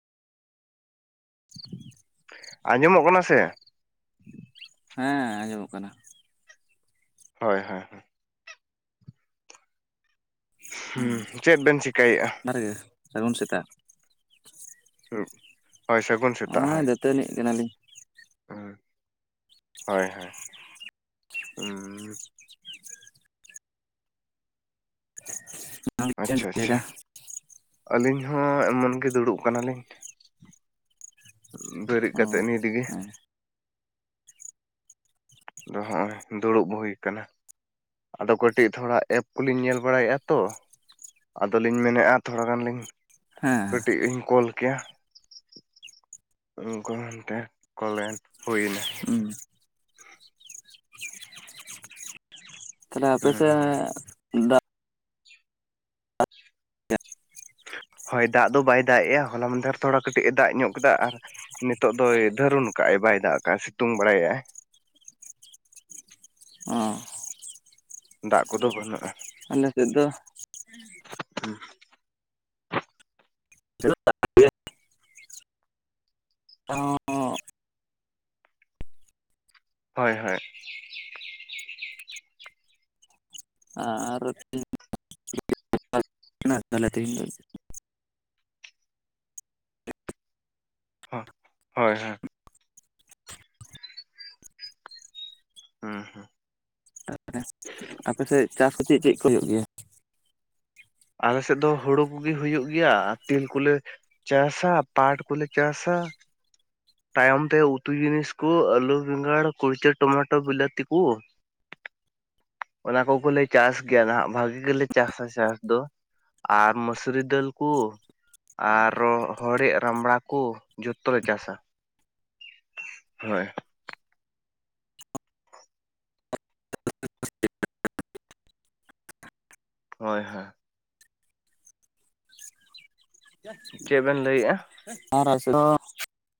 ᱟᱸᱡᱚᱢᱚᱜ ᱠᱟᱱᱟ ᱥᱮ ᱦᱮᱸ ᱟᱸᱡᱚᱢᱚᱜ ᱠᱟᱱᱟ ᱦᱳᱭ ᱦᱳᱭ ᱦᱩᱸ ᱪᱮᱫ ᱵᱮᱱ ᱪᱮᱠᱟᱭᱮᱼᱟ ᱟᱨ ᱜᱮ ᱥᱟᱹᱜᱩᱱ ᱥᱮᱛᱟᱜ ᱦᱩᱸ ᱱᱚᱜᱚᱭ ᱫᱟᱹᱛᱟᱹᱱᱤ ᱠᱟᱱᱟᱞᱤᱧ ᱦᱳᱭ ᱦᱳᱭ ᱦᱩᱸ ᱪᱮᱫ ᱮᱢ ᱟᱪᱪᱷᱟ ᱟᱪᱪᱷᱟ ᱪᱤᱠᱟᱹᱭᱮᱫᱟ ᱟᱹᱞᱤᱧ ᱦᱚᱸ ᱮᱢᱚᱱ ᱜᱮ ᱫᱩᱲᱩᱵ ᱠᱟᱱᱟ ᱞᱤᱧ ᱵᱮᱨᱤᱡ ᱚ ᱠᱟᱛᱮᱜ ᱱᱤᱛᱜᱤ ᱦᱮᱸ ᱱᱚᱸᱜᱼᱚᱭ ᱫᱩᱲᱩᱵ ᱦᱩᱭ ᱟᱠᱟᱱᱟ ᱟᱫᱚ ᱠᱟᱹᱴᱤᱡ ᱛᱷᱚᱲᱟ ᱮᱯ ᱠᱚᱞᱤᱧ ᱧᱮᱞ ᱵᱟᱲᱟᱭᱮᱫᱼᱟ ᱛᱚ ᱟᱫᱚᱞᱤᱧ ᱢᱮᱱᱮᱼᱟ ᱛᱷᱚᱲᱟ ᱜᱟᱱ ᱞᱤᱧ ᱦᱮᱸ ᱠᱟᱹᱴᱤᱡ ᱞᱤᱧ ᱠᱚᱞ ᱜᱮᱭᱟ ᱜᱚᱱ ᱛᱮ ᱠᱚᱞᱮᱱ ᱦᱩᱭ ᱮᱱᱟ ᱦᱩᱸ ᱛᱟᱦᱞᱮ ᱟᱯᱮ ᱦᱩᱸ ᱥᱮᱫ ᱫᱟᱜ ᱦᱳᱭ ᱫᱟᱜ ᱫᱚ ᱵᱟᱭ ᱫᱟᱜ ᱮᱼᱟ ᱦᱚᱞᱟ ᱢᱫᱷᱮᱨ ᱨᱮ ᱛᱷᱚᱲᱟ ᱠᱟᱹᱴᱤᱡ ᱮ ᱫᱟᱜ ᱧᱚᱜ ᱠᱮᱫᱟ ᱟᱨ ᱱᱤᱛᱚᱜ ᱫᱚᱭ ᱫᱟᱹᱨᱩᱱ ᱠᱟᱜᱟᱭ ᱵᱟᱭ ᱫᱟᱜ ᱠᱟᱜᱭ ᱥᱤᱛᱩᱝ ᱵᱟᱲᱟᱭᱟᱭ ᱚ ᱫᱟᱜ ᱠᱚᱫᱚ ᱵᱟᱹᱱᱩᱜᱼᱟ ᱟᱞᱮ ᱥᱮᱫ ᱫᱚ [inaudible] ᱦᱳᱭ ᱦᱳᱭ ᱟᱨ ᱟᱨ ᱛᱤᱱᱚᱜ ᱛᱟᱦᱚᱞᱮ ᱦᱚᱸ ᱦᱳᱭ ᱦᱳᱭ ᱦᱩᱸ ᱛᱟᱦᱚᱞᱮ ᱟᱯᱮ ᱥᱮᱫ ᱪᱟᱥ ᱠᱚ ᱪᱮᱫ ᱪᱮᱫ ᱠᱚ ᱦᱩᱭᱩᱜ ᱜᱮᱭᱟ ᱟᱞᱮ ᱥᱮᱫ ᱫᱚ ᱦᱩᱲᱩ ᱠᱚᱜᱮ ᱦᱩᱭᱩᱜ ᱜᱮᱭᱟ ᱟᱨ ᱛᱤᱞ ᱠᱚᱞᱮ ᱪᱟᱥᱟᱜ ᱯᱟᱴ ᱠᱚᱞᱮ ᱪᱟᱥᱟᱜ ᱛᱟᱭᱚᱢᱛᱮ ᱩᱛᱩ ᱡᱤᱱᱤᱥ ᱠᱩ ᱟᱹᱞᱩ ᱵᱮᱸᱜᱟᱲ ᱠᱩᱲᱪᱟᱹ ᱴᱚᱢᱟᱴᱳ ᱵᱤᱞᱟᱹᱛᱤ ᱠᱚ [inaudible] ᱚᱱᱟ ᱠᱚ ᱜᱮ ᱞᱮ ᱪᱟᱥ ᱜᱮᱭᱟ ᱦᱟᱸᱜ ᱵᱷᱟᱹᱜᱤ ᱜᱮᱞᱮ ᱪᱟᱥᱟ ᱪᱟᱥ ᱫᱚ ᱟᱨ ᱢᱩᱥᱤᱨᱤ ᱫᱟᱹᱞᱠᱩ ᱟᱨᱚ ᱦᱚᱲᱮ ᱨᱟᱢᱲᱟ ᱠᱚ ᱡᱚᱛᱮ ᱞᱮ ᱪᱟᱥᱟ ᱦᱳᱭ ᱦᱳᱭ ᱦᱳᱭ ᱪᱮᱫ ᱵᱮᱱ ᱞᱟᱹᱭᱮᱜᱼᱟ ᱟᱨ ᱟᱥᱚᱨᱚ [unintelligible]